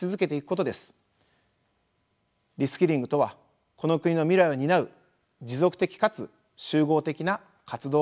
リスキリングとはこの国の未来を担う持続的かつ集合的な活動なのです。